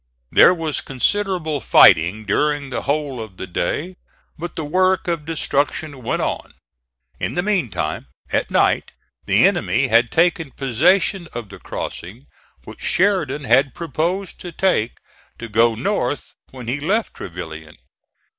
There was considerable fighting during the whole of the day, but the work of destruction went on. In the meantime, at night, the enemy had taken possession of the crossing which Sheridan had proposed to take to go north when he left Trevilian.